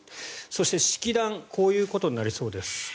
そして、式壇こういうことになりそうです。